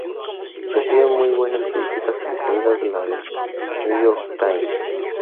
Recibe muy buenas críticas, incluida la del "New York Times".